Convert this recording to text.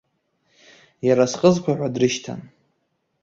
Иара сҟызқәа ҳәа дрышьҭан.